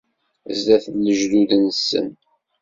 Sdat n lejdud-nsen.